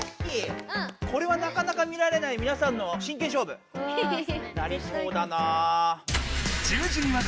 これはなかなか見られないみなさんのしんけん勝負になりそうだな。